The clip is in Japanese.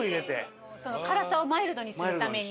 辛さをマイルドにするために。